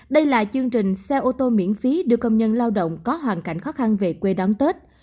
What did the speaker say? đây là chương trình xe ô tô miễn phí đưa công nhân lao động có hoàn cảnh khó khăn về quê đón tết